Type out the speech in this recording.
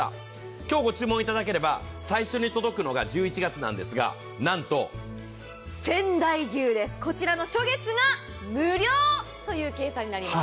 今日ご注文いただければ最初に届くのが１１月なんですがなんと仙台牛です、こちらの初月が無料という計算になります。